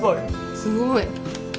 すごい。